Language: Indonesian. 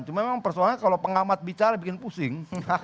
cuma memang persoalannya kalau pengamat bicara bikin pusing